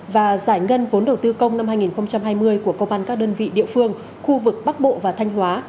và giải ngân vốn đầu tư công năm hai nghìn hai mươi của công an các đơn vị địa phương khu vực bắc bộ và thanh hóa